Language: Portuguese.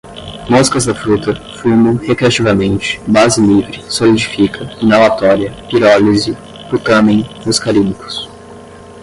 moscas-da-fruta, fumo, recreativamente, base livre, solidifica, inalatória, pirólise, putâmen, muscarínicos